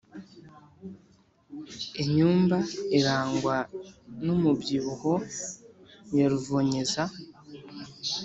Inyumba irangwa n'umubyibuho ya ruvonyeza